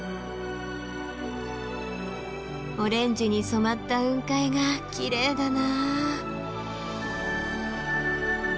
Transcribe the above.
オレンジに染まった雲海がきれいだな。